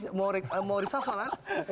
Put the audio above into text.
saya nggak tahu